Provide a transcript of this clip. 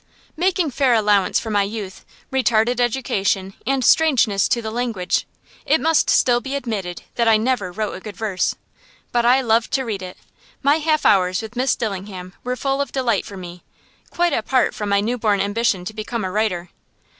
Making fair allowance for my youth, retarded education, and strangeness to the language, it must still be admitted that I never wrote good verse. But I loved to read it. My half hours with Miss Dillingham were full of delight for me, quite apart from my new born ambition to become a writer.